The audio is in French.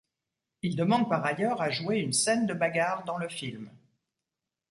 Il demande par ailleurs à jouer une scène de bagarre dans le film.